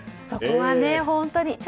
そこは本当に。